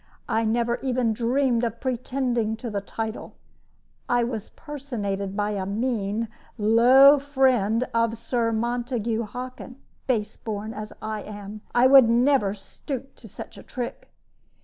I never even dreamed of pretending to the title. I was personated by a mean, low friend of Sir Montague Hockin; base born as I am, I would never stoop to such a trick.